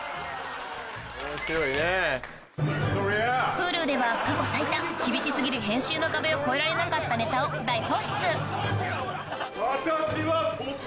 Ｈｕｌｕでは過去最多厳し過ぎる編集の壁を越えられなかったネタを大放出！